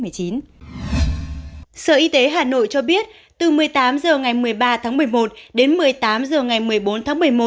sở y tế hà nội cho biết từ một mươi tám h ngày một mươi ba tháng một mươi một đến một mươi tám h ngày một mươi bốn tháng một mươi một